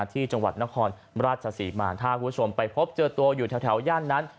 ที่จังหวัดนครราชศรีมาถ้าคุณผู้ชมไปพบเจอตัวอยู่แถวย่านนั้น